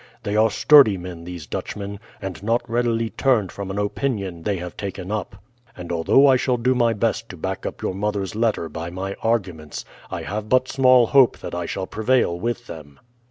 They are sturdy men these Dutchmen, and not readily turned from an opinion they have taken up; and although I shall do my best to back up your mother's letter by my arguments, I have but small hope that I shall prevail with them."